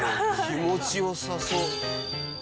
気持ち良さそう。